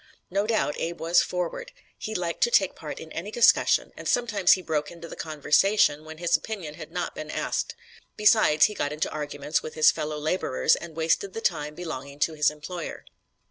No doubt Abe was "forward." He liked to take part in any discussion, and sometimes he broke into the conversation when his opinion had not been asked. Besides, he got into arguments with his fellow laborers, and wasted the time belonging to his employer.